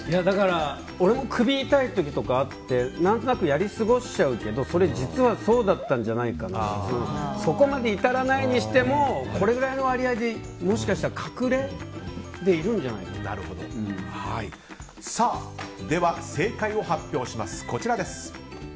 俺も首痛い時とかあって何となくやり過ごしちゃうけどそれ、実はそうだったんじゃないかなとかそこまで至らないにしてもこれぐらいの割合でもしかしたら隠れいているんじゃないかと。正解を発表します。